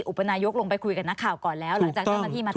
อุปนายกลงไปคุยกับนักข่าวก่อนแล้วหลังจากเจ้าหน้าที่มาถึง